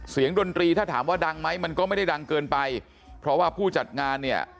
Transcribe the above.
ดนตรีถ้าถามว่าดังไหมมันก็ไม่ได้ดังเกินไปเพราะว่าผู้จัดงานเนี่ย